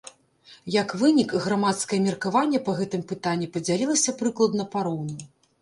Як вынік, грамадскае меркаванне па гэтым пытанні падзялілася прыкладна пароўну.